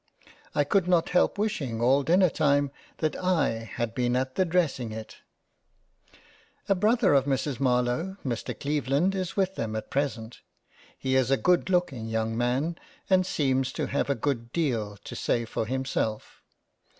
I could not help wishing all dinner time that I had been at the dressing it —. A brother of Mrs Marlowe, Mr Cleveland is with them at present; he is a good looking young Man, and seems to have a good deal to 59 ^ JANE AUSTEN £ say for himself.